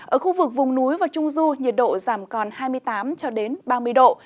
ở khu vực vùng núi và trung du nhiệt độ giảm còn hai mươi tám ba mươi độ